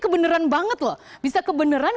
kebeneran banget loh bisa kebenaran